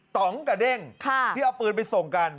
ต่องกับเด้งที่เอาปืนไปส่งกัน